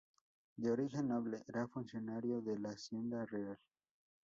De origen noble, era funcionario de la Hacienda Real.